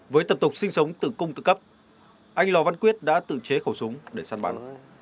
với tập tục sinh sống tự cung tự cấp anh lò văn quyết đã tự chế khẩu súng để săn bắn